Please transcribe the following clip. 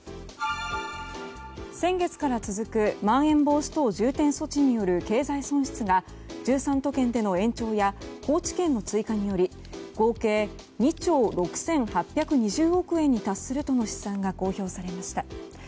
先月から続くまん延防止等重点措置による経済損失が１３都県での延長や高知県の追加により合計２兆６８２０億円に達するとの試算が公表されました。